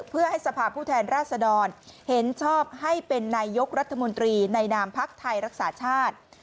เพื่อให้สภาพผู้แทนราชดรเห็นชอบให้เป็นนายยกรัฐมนตรีในนามพักไทยรักษาชาติ